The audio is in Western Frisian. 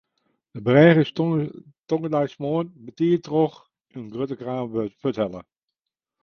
De brêge is tongersdeitemoarn betiid troch in grutte kraan fuorthelle.